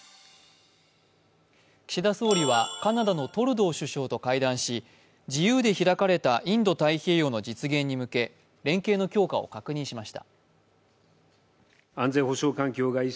岸田総理はカナダのトルドー首相と会談し、自由で開かれたインド太平洋の実現に向け、連携の強化を確認しました。